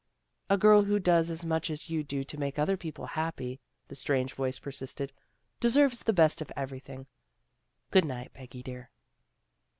" A girl who does as much as you do to make other people happy," the strange voice persisted, " deserves the best of everything. Good night, Peggy, dear."